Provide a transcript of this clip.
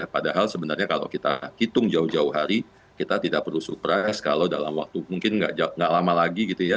padahal sebenarnya kalau kita hitung jauh jauh hari kita tidak perlu surprise kalau dalam waktu mungkin nggak lama lagi gitu ya